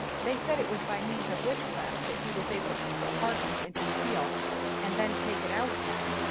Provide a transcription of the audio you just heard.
They said it was by means of witchcraft that he was able to put hardness into steel and then take it out again.